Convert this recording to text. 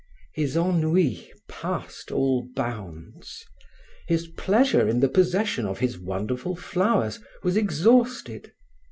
His ennui passed all bounds. His pleasure in the possession of his wonderful flowers was exhausted.